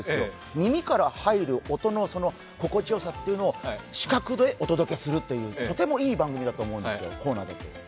耳から入る音の心地よさってのを視覚でお届けする、とてもいい番組だと思うんですよ。